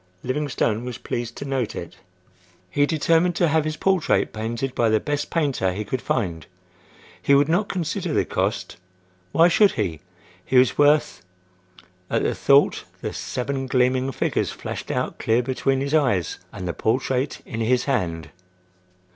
Livingstone was pleased to note it. He determined to have his portrait painted by the best painter he could find. He would not consider the cost. Why should he? He was worth—at the thought the seven gleaming figures flashed out clear between his eyes and the portrait in his hand.